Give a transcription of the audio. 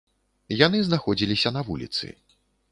Яны знаходзіліся на вуліцы.